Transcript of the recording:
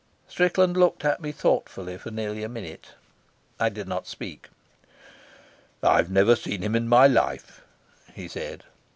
Strickland looked at me thoughtfully for nearly a minute. I did not speak. "I've never seen him in my life," he said.